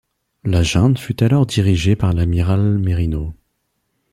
La junte fut alors dirigée par l'amiral Merino.